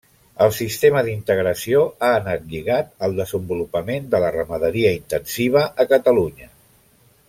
El sistema d'integració ha anat lligat al desenvolupament de la ramaderia intensiva a Catalunya.